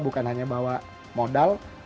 bukan hanya membawa modal